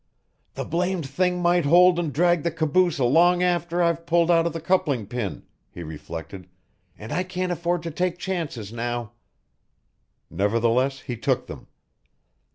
"The blamed thing might hold and drag the caboose along after I've pulled out the coupling pin," he reflected. "And I can't afford to take chances now." Nevertheless he took them.